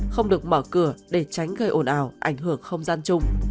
không được mở cửa để tránh gây ồn ào ảnh hưởng không gian chung